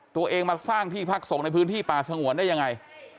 ตัวเองมาสร้างที่พักส่งในพื้นที่ป่าสงวนได้ยังไง